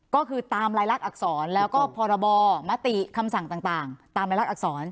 ก็คือตามรายลักษณอักษรแล้วก็พรบมติคำสั่งต่างตามรายลักษร